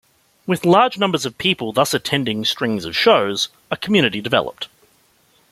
With large numbers of people thus attending strings of shows, a community developed.